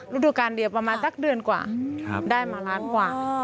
ฤดูการเดียวประมาณสักเดือนกว่าได้มาล้านกว่า